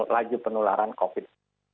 laju penularan covid sembilan belas